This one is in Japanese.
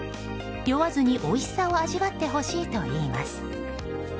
酔わずに、おいしさを味わってほしいといいます。